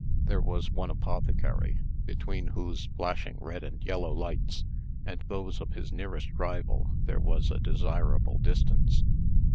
There was one apothecary, between whose flashing red and yellow lights and those of his nearest rival there was a desirable distance.